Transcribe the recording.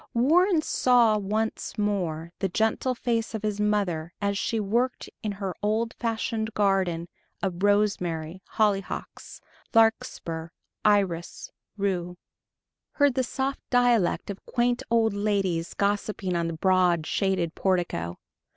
Warren saw once more the gentle face of his mother, as she worked in her old fashioned garden of rosemary, hollyhocks, larkspur, iris, rue, ... heard the soft dialect of quaint old ladies gossiping on the broad, shaded portico